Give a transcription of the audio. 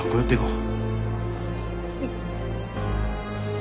うん。